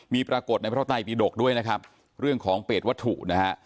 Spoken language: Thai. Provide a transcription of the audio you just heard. มีปรากฏในพระไตปีดกด้วยนะครับเรื่องของเปรตวัตถุนะฮะ